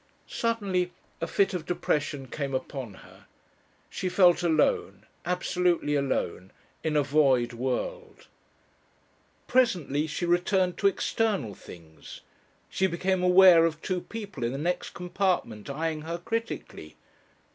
Suddenly a fit of depression came upon her. She felt alone absolutely alone in a void world. Presently she returned to external things. She became aware of two people in the next compartment eyeing her critically.